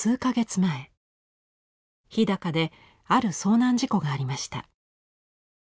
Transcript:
前日高である遭難事故がありました。